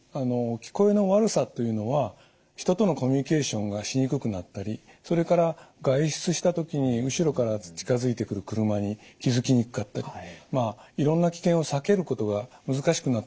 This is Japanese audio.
聞こえの悪さというのは人とのコミュニケーションがしにくくなったりそれから外出した時に後ろから近づいてくる車に気付きにくかったりまあいろんな危険を避けることが難しくなったりする。